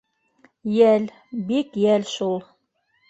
— Йәл, бик йәл шул.